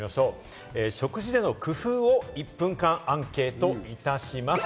食事での工夫を１分間アンケートいたします。